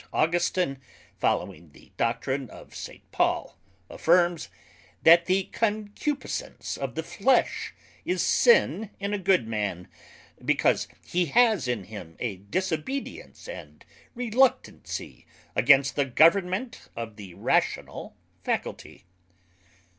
Augustin, following the Doctrine of S. Paul, affirms, That the concupiscence of the flesh is sin in a good man, Because he has in him a disobedience and reluctancy against the government of the rational faculty.